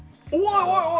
おいおい！